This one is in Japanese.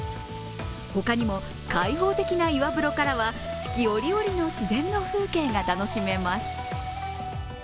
他にも開放的な岩風呂からは四季折々の自然の風景が楽しめます。